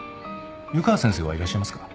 湯川先生はいらっしゃいますか？